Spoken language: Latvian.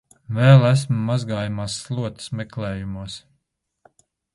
Vēl esmu mazgājamās slotas meklējumos.